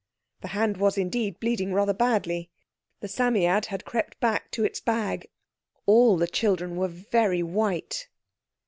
The hand was indeed bleeding rather badly. The Psammead had crept back to its bag. All the children were very white.